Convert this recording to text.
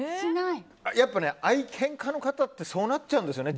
やっぱり愛犬家の方ってそうなっちゃうんですよね。